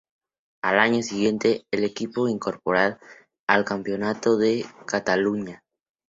Al año siguiente, el equipo incorpora al Campeonato de Cataluña.